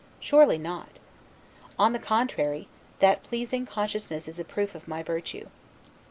Surely not. On the contrary, that pleasing consciousness is a proof of my virtue.